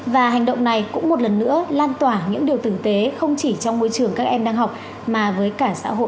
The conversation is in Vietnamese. và hành động này cũng một lần nữa lan tỏa những điều tử tế không chỉ trong môi trường các em đang học mà với cả xã hội